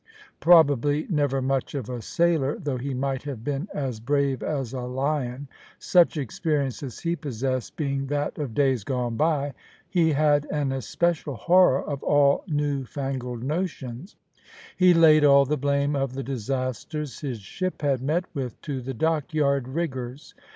Probably never much of a sailor, though he might have been as brave as a lion, such experience as he possessed being that of days gone by, he had an especial horror of all new fangled notions. He laid all the blame of the disasters his ship had met with to the Dockyard riggers.